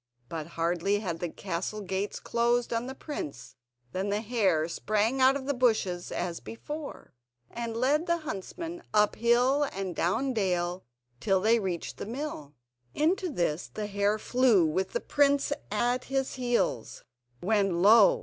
But hardly had the castle gates closed on the prince than the hare sprang out of the bushes as before, and led the huntsman up hill and down dale, till they reached the mill. Into this the hare flew with the prince at his heels, when, lo!